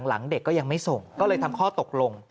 หลังเด็กก็ยังไม่ส่งก็เลยทำข้อตกลง